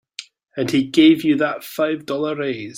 And he gave you that five dollar raise.